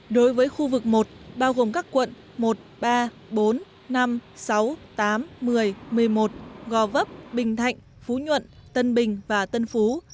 đối với khu vực một bao gồm các quận một ba bốn năm sáu tám một mươi một mươi một gò vấp bình thạnh phú nhuận tân bình và tân phú